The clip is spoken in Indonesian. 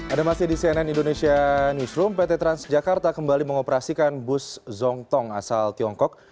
ada masih di cnn indonesia newsroom pt transjakarta kembali mengoperasikan bus zongtong asal tiongkok